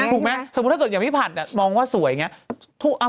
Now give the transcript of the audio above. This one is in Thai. ถูกไหมสมมุติถ้าเกิดอย่างพี่ผัดมองว่าสวยอย่างนี้